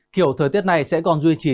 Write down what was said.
kiểu thời tiết này sẽ còn duy trì